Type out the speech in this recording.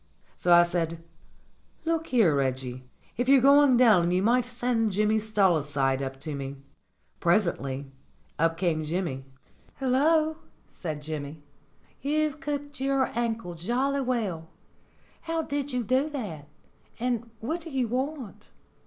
So I said: "Look here, Reggie, if you're going down you might send Jimmy Stalside up to me." Presently up came Jimmy. "Hullo," said Jimmy, "you've cooked your ankle jolly well. How did you do that? And what do you want?"